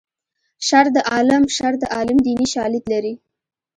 شر د عالم شر د عالم دیني شالید لري